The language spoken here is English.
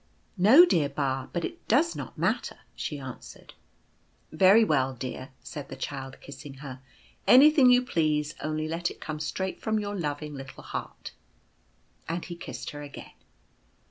<c No, dear Ba, but it does not matter/' she answered. " Very well, dear/' said the Child, kissing her, "any thing you please, only let it come straight from your loving little heart ;" and he kissed her again.